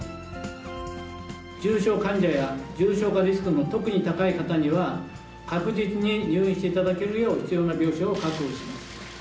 重症患者や重症化リスクの特に高い方には、確実に入院していただけるよう、必要な病床を確保します。